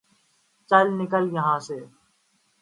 چل نکل یہا سے ـ